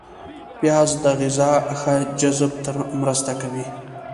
پیاز د غذا ښه جذب ته مرسته کوي